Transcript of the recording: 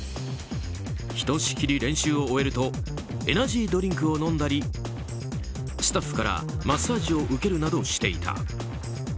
ひとしきり練習を終えるとエナジードリンクを飲んだりスタッフからマッサージを受けるなどしていた。